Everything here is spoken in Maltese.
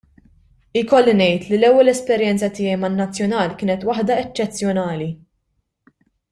Ikolli ngħid, li l-ewwel esperjenza tiegħi man-nazzjonal kienet waħda eċċezzjonali.